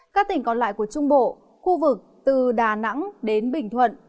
các tỉnh còn lại của trung bộ khu vực từ đà nẵng đến bình thuận